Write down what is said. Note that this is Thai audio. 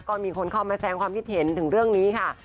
ก็มีคนเข้ามาแสงความคิดเห็นถึงเรื่องนี้ค่ะ